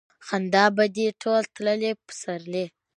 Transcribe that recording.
خندا به دې ټول تللي پسرلي